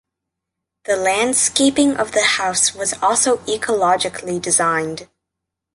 The landscaping of the house was also ecologically designed.